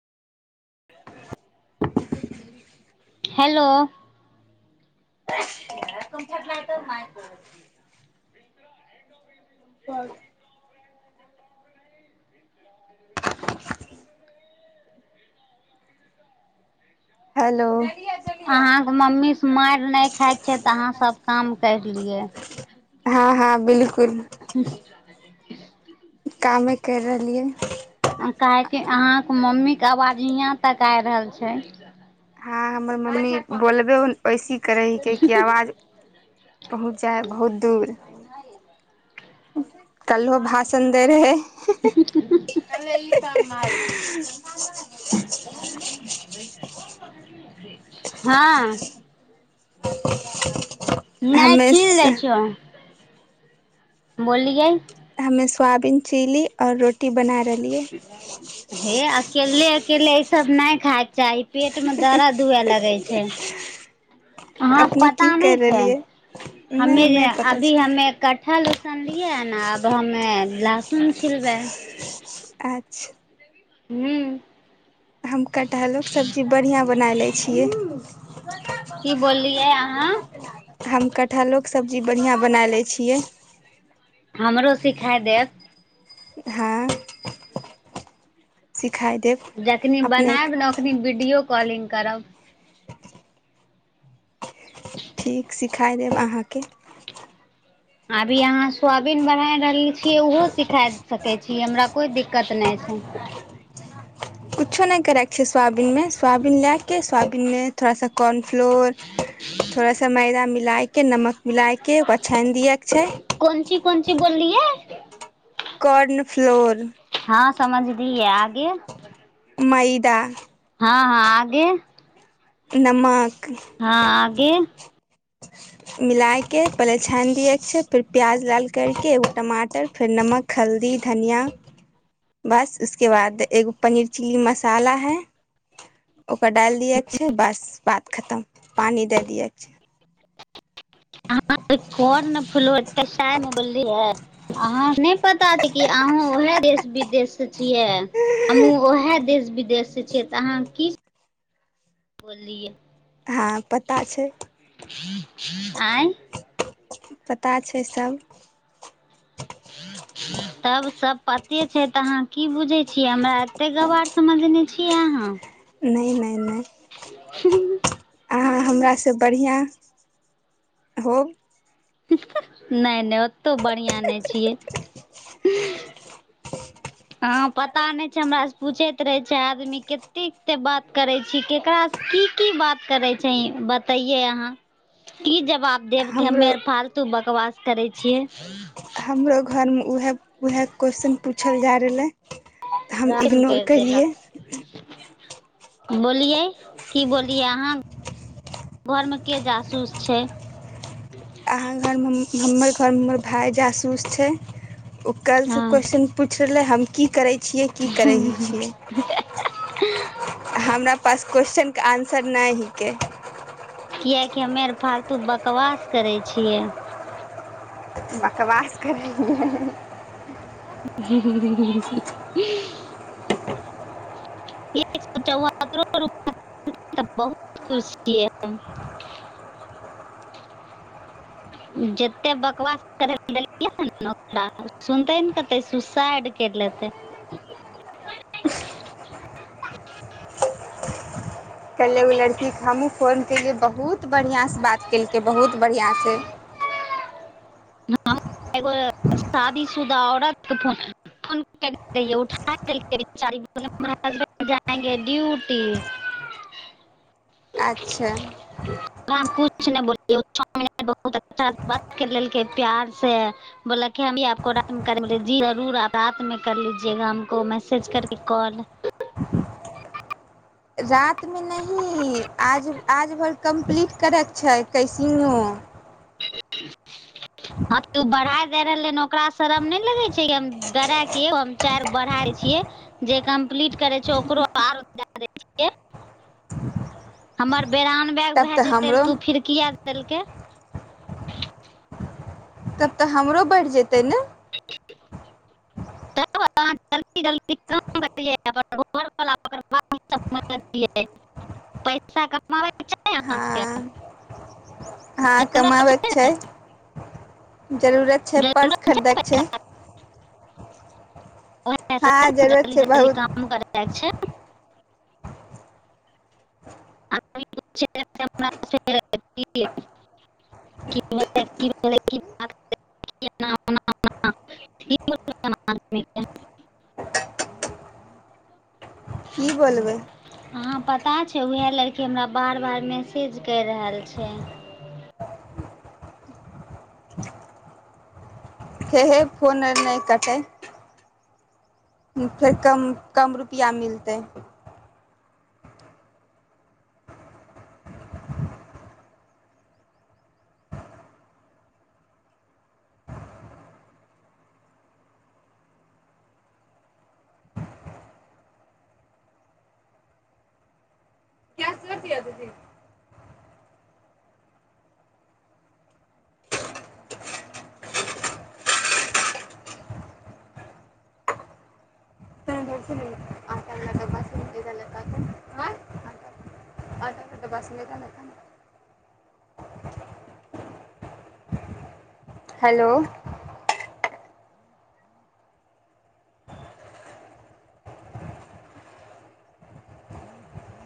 [unintelligible] hello [unintelligible] कम छट ल तऽ म [inaudible] ऊपर हेलो अहाँके मम्मीसँ मारि नहि खायके छै तऽ अहाँ सभ काम करि लियै हँ हँ बिलकुल ह कामे करि रहलियै काहेक अहाँके मम्मी आवाज हियाँ तक आइ रहल छै आ हमर मम्मी बोलबे ऐसी हि करै हिकै कि आवाज पहुँच जाइ है बहुत दूर कल्हो भाषण दे रहेै क [inaudible] [unintelligible] ओ जुल कड़ी हँ नहि हमे छील दै छीयौ बोललिय सोआबीन चिललीऔ रोटी बना रहे हे अकल अकेल सब नहि खायके चाही पेट में दराा धुए लगे छै हहा अपने पता की नहि कर छै रहलियै नहि हमे जे नहि पता अभी छै हमे कट्ठा लुसन दियै ने अब हमे लहसुन छिलबै अच्छा हू हम कटहलो के सब्जी बढ़िया बना ले छी छियै की बोललियै अहाँ हम कटहलोके सब्जी बढ़िआँ बनाय लै छियै हमरो सिखााय देब हँ सिखाय देब जखनी बनायब अपनेके ने ओखनी वीडियो कॉलिंग करब ठीक सिखाय देब अहाँके अभी अहाँ सोबीन बनाए रहल छियै ओहो सिखा सकै छीिय हमरा कोइ दिक्कत नहि छै कुछो नहि करैके छै सोाबीनमे सोयाबीन लएके सोयाबीन थोड़ा सा कॉर्न फ्लोर थोड़ा सा मैदामे लिलाइके नमक मिल के ओकरा छानि दियए के छै कोन ची कोन ची बोलली है कॉर्न फ्लोर हँ समझ दीऐै आगे म मैदा हँ हँ आगे नाम हँ आगे मिलएके पल छानि दिय अच्छा फेर प्याज ाल करके एगो टमाटर फेर नमक हल्दी धनिया बस उसके बाद एगो पनीर चिली मसाला है ओकरा ड छै बस बात खतम पानि दए दिैके छै अहा कोन फो कसाय मे बोली है अहां नहि पता छै की अहं उहे विदेश से छियै हमूँ उएह देश विदेश से छियै तऽ अहाँ की बोललियै हँ पता छै आँय पता छै सभ तब सब पते छै तऽ अहाँ की बुझै छियै हमरा एते गवार समझने छियै अहाँ नहि नहि नहि [unintelligible] हमरासे बढ़िआं होब नहि नहि ओतहु बढ़िआँ नहि छियै हं पता नहि छै हमरा से पूछैत रहे छै आदमी कतेे बात करै छी केकरा से की की बात करे छै बतैयै अहाँ की जवाब देवके हमरो हमेर फाल तू बकवास करै छियै हमरो घरमे उएह उएह क्वेश्चन पूछल जाइ रहलै तऽ हम रान करि इग्नोर कैलियै देलक बोलियै की बोलियै अहाँ घरमे के जसूस छै अहाँ घरमे हम हमर घरमे हमर भाय जासूस छै ओ हँ कालिसँ क्वेश्चन पुछ लै हम की करै छियै की करै छियै हमरा पास क्वेश्चन आन्सर नहि हिकै किएकि हमे आर फालतू बकवास करै छियै बकवास करैलै [unintelligible] य एक स चौहरो रप बहुत खुश छियै जतेक बकवास करै ल देलियै ओकरा सुनते ने कहतै सुसाइड करि लेतै कहले ओ लड़की के हमहुँ फोन केलिये बहुत बढ़ियां से बात केलकै बहुत बढ़िआँसे हम एगो शादीशुदा औरतके फो फोन काटि देलकै उठा देलकै कहलकै जाएंगे ड्यूटी अच्छा ु नहिहुत अच् लेल प्यार से बोल क हमपको र मे जी जरूर रात मे कर लीजा हमको मैसेज करके कॉल रातमे नहीं आज आज भर कम्प्लीट करैके छै कइसनोहो ह बढ़ा दे रहले ह ओकरा शरम नहि लगे छै हम गरा के हम चार गो बढ़ा छियै जे कम्पलीट करे छै ओकरो आरो द दे छिय हमर बेरानबे तब भए जेतै रहऽ हमरो तऽ ओ फिड़किया देलकै तब तऽ हमरो बढ़ि जेतै ने तब अहाँ जलदी जलदी क करियै अपन घरवला ओकर बादियै पैसा कमाबयके छैह हँ अहाँकेँ हँ कमाबैत छै जरूरत छै पर्स खरीदैके छै ओ हँ जरूरत जल्दी छै जल्दी बहुत काम करै छै [unintelligible] की बोलबै अहाँ पता छै उएह लड़की हमरा बार बार मैसेज करि रहल छै हे हे फोन अर नहि कटै फेर कम कम रुपैआ मिलतै हेलो